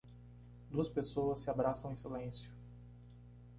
Duas pessoas se abraçam em silêncio